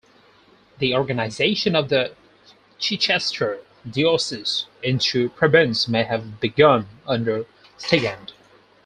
The organization of the Chichester diocese into prebends may have begun under Stigand.